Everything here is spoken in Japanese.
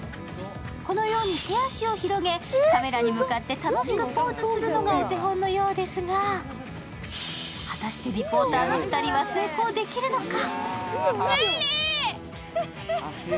このように手足を広げ、カメラに向かって楽しくポーズするのがお手本のようですが果たしてリポーターの２人は成功できるのか？